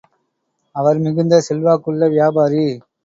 அவர் மிகுந்த செல்வாக்குள்ள வியாபாரி.